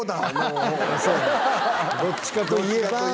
「どっちかといえばの方」